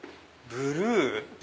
ブルー？